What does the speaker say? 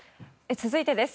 続いてです。